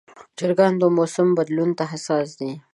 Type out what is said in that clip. چرګان د موسم بدلون ته حساس دي.